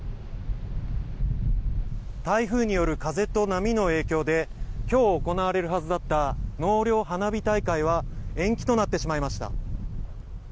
台風による風と波の影響で今日行われるはずだった納涼花火大会は延期となってしまいました。